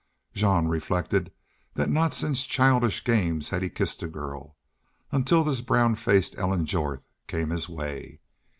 Jean reflected that not since childish games had he kissed a girl until this brown faced Ellen Jorth came his way.